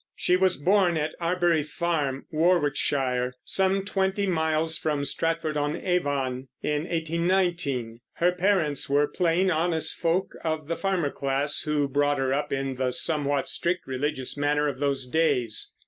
She was born at Arbury Farm, Warwickshire, some twenty miles from Stratford on Avon, in 1819. Her parents were plain, honest folk, of the farmer class, who brought her up in the somewhat strict religious manner of those days.